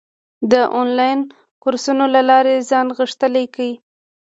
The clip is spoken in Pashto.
د انلاین کورسونو له لارې ځان غښتلی کړه.